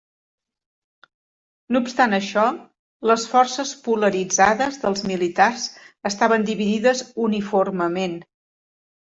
No obstant això, les forces polaritzades dels militars estaven dividides uniformement.